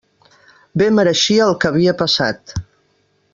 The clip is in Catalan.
Bé mereixia el que havia passat.